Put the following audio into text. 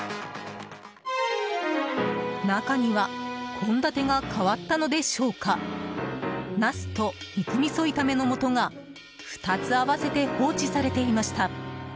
中には献立が変わったのでしょうかナスと、肉みそ炒めの素が２つ合わせて放置されていました。